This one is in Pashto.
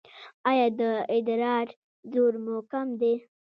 ایا د ادرار زور مو کم دی؟